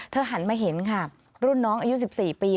หันมาเห็นค่ะรุ่นน้องอายุ๑๔ปี